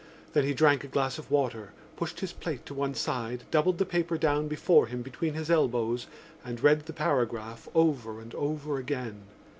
Then he drank a glass of water, pushed his plate to one side, doubled the paper down before him between his elbows and read the paragraph over and over again.